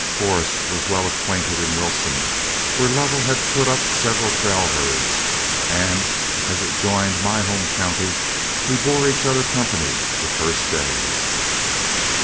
Forrest was well acquainted in Wilson, where Lovell had put up several trail herds, and as it joined my home county, we bore each other company the first day.